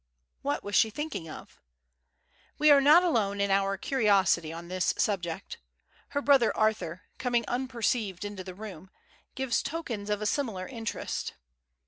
What was she thinking of? We are not alone in our curiosity on this subject. Her brother Arthur, coming unperceived into the room, gives tokens of a similar interest.